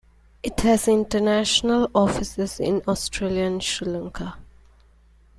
It has international offices in Australia and Sri Lanka.